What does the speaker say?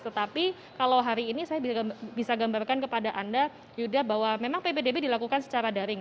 tetapi kalau hari ini saya bisa gambarkan kepada anda yuda bahwa memang ppdb dilakukan secara daring